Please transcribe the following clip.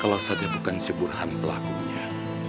kalau saja bukan si burhan pelakunya